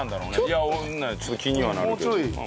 いやわかんないちょっと気にはなるけど。